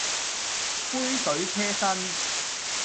杯水車薪